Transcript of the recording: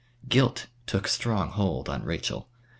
Guilt took strong hold on Rachel.